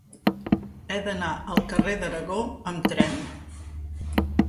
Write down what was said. He d'anar al carrer d'Aragó amb tren.